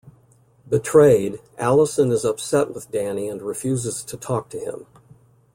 Betrayed, Allyson is upset with Danny and refuses to talk to him.